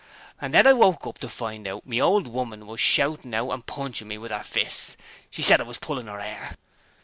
And then I woke up to find my old woman shouting out and punchin' me with 'er fists. She said I was pullin' 'er 'air!'